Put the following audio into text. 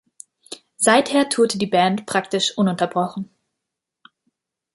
Seither tourte die Band praktisch ununterbrochen.